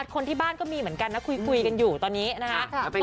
คนที่บ้านก็มีเหมือนกันนะคุยกันอยู่ตอนนี้นะคะ